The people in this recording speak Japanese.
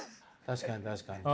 確かに確かに。